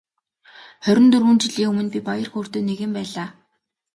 Хорин дөрвөн жилийн өмнө би баяр хөөртэй нэгэн байлаа.